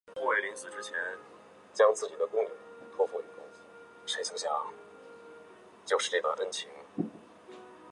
西安河畔厄盖维尔。